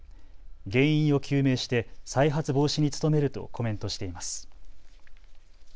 原因を究明して再発防止に努めるとコメントしています。